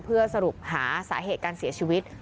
เพื่อสรุปหาสาเหตุการเสียชีวิต